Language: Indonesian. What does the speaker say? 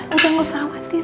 ya udah gak usah khawatir